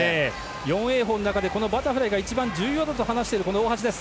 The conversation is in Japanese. ４泳法の中でバタフライが一番重要だと話している大橋です。